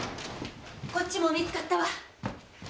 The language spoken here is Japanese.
こっちも見つかったわ。